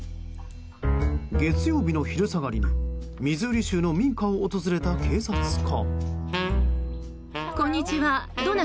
月曜日の昼下がりにミズーリ州の民家を訪れた警察官。